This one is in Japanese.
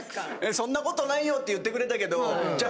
「そんなことないよ」って言ってくれたけどじゃあ。